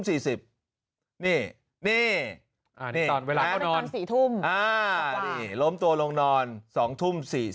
นี่นี่นี่นะคะล้มตัวตัวลงนอน๒ทุ่ม๔๐